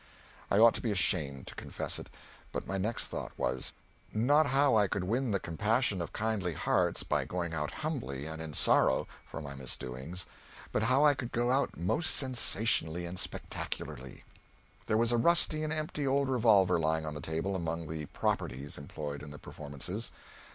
I ought to be ashamed to confess it, but my next thought was, not how I could win the compassion of kindly hearts by going out humbly and in sorrow for my misdoings, but how I could go out most sensationally and spectacularly. There was a rusty and empty old revolver lying on the table, among the "properties" employed in the performances.